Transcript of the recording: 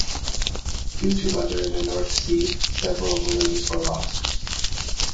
Due to weather in the North Sea, several balloons were lost.